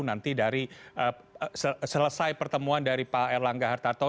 nanti dari selesai pertemuan dari pak erlangga hartarto